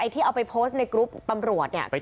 ที่เอาไปโพสต์ในกรุ๊ปตำรวจเนี่ย